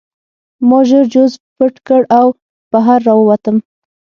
ما ژر جوزف پټ کړ او بهر راووتم